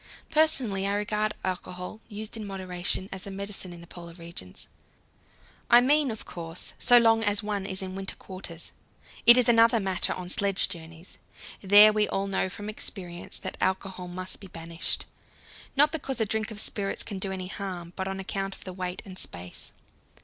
Personally, I regard alcohol, used in moderation, as a medicine in the Polar regions I mean, of course, so long as one is in winter quarters. It is another matter on sledge journeys: there we all know from experience that alcohol must be banished not because a drink of spirits can do any harm, but on account of the weight and space.